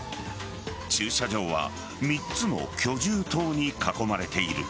駐車場は３つの居住棟に囲まれている。